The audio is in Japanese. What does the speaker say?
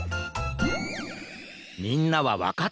みんなはわかったかな？